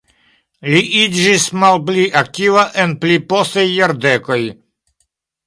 Li iĝis malpli aktiva en pli postaj jardekoj.